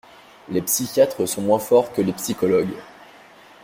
Les psychiatres sont moins forts que les psychologues.